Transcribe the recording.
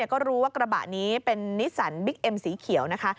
ก็รู้ว่ากระบะนี้เป็นนิสสันบิ๊กเอ็มสีเขียวนะคะ